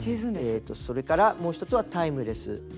それからもう１つはタイムレス。